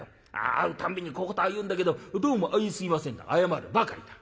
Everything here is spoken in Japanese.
会うたんびに小言は言うんだけど『どうもあいすいません』って謝るばかりだ。